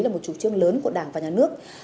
là một chủ trương lớn của đảng và nhà nước